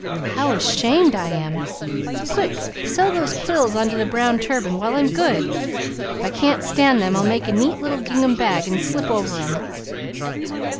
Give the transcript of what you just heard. How ashamed I am! Quick, sew those quills on to the brown turban while I'm good! If I can't stand them I'll make a neat little gingham bag and slip over them!"